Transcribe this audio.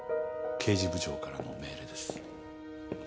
刑事部長からの命令です。